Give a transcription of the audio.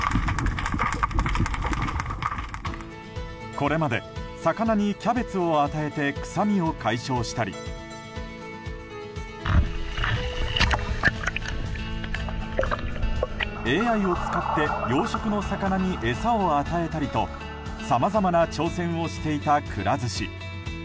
これまで魚にキャベツを与えて臭みを解消したりＡＩを使って養殖の魚に餌を与えたりとさまざまな挑戦をしていたくら寿司。